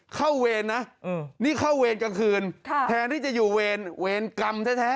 เข้าเวรนะอืมนี่เข้าเวรกลางคืนค่ะแทนที่จะอยู่เวรเวรกรรมแท้แท้